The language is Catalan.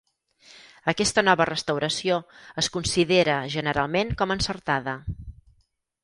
Aquesta nova restauració es considera generalment com encertada.